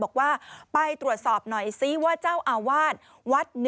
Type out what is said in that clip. บอกว่าไปตรวจสอบหน่อยซิว่าเจ้าอาวาสวัด